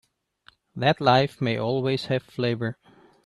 That life may always have flavor.